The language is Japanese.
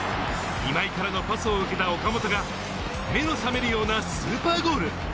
今井からのパスを受けた岡本が目の覚めるようなスーパーゴール！